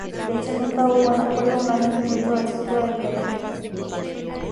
De hecho, nunca hubo un acuerdo unánime dentro del Círculo de Viena.